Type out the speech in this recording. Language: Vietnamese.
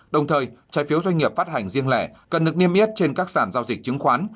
đồng thời trái phiếu doanh nghiệp phát hành riêng lẻ cần được niêm yết trên các sản giao dịch chứng khoán